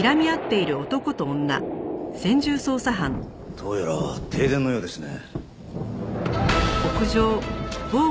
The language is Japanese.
どうやら停電のようですね。